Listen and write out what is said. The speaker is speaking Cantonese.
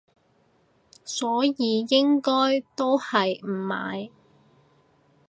所以應該都係唔買